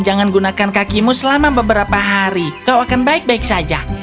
jangan gunakan kakimu selama beberapa hari kau akan baik baik saja